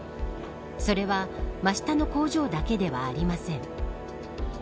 それは、真下の工場だけではありません。